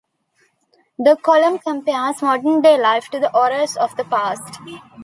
The column compares modern day life to the horrors of the past.